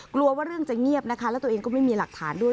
กลัวว่าเรื่องจะเงียบนะคะแล้วตัวเองก็ไม่มีหลักฐานด้วย